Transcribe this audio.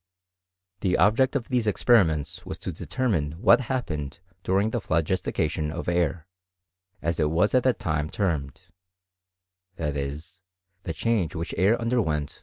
The object of these experiments was to determine what happened during the phlogistication of air, as it was at tiiat time termed ; that is, the change which air underwent